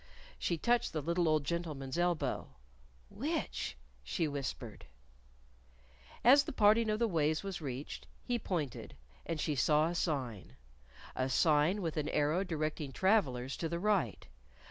She touched the little old gentleman's elbow. "Which?" she whispered. As the parting of the ways was reached, he pointed. And she saw a sign a sign with an arrow directing travelers to the right.